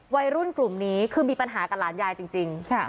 วัยรุ่นกลุ่มนี้คือมีปัญหากับหลานยายจริง